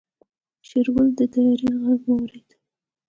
شېرګل د طيارې غږ واورېد.